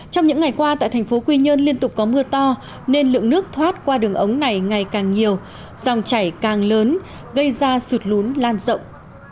trong những ngày qua tại thành phố quy nhơn liên tục có mưa to nên lượng nước thoát qua đường ống này ngày càng nhiều dòng chảy càng lớn gây ra sụt lún lan rộng